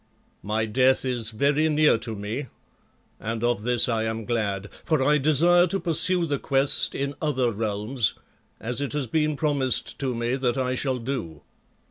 My death is very near to me, and of this I am glad, for I desire to pursue the quest in other realms, as it has been promised to me that I shall do.